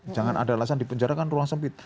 jangan ada alasan di penjara kan ruang sempit